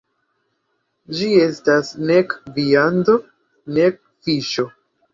Ĝi estas nek viando nek fiŝo.